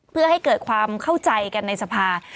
เพื่อให้เกิดความเข้าใจกันในสภา